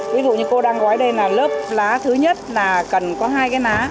ví dụ như cô đang gói đây là lớp lá thứ nhất là cần có hai cái lá